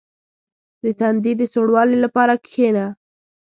• د تندي د سوړوالي لپاره کښېنه.